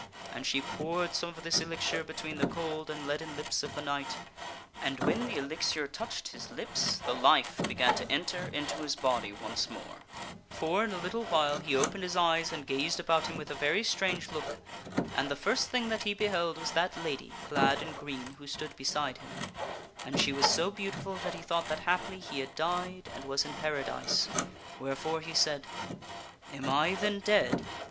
And she poured some of this elixir between the cold and leaden lips of the knight ; and when the elixir touched his lips the life began to enter into his body 274 THE STORY OF SIR PELLIAS once more ; for, in a little while, he opened his eyes and gazed about him with a very strange look, and the first thing that he beheld was that lady clad in green who stood beside him, and she was so beautiful that he thought that haply he had died and was in Paradise, wherefore he said, " Am I then dead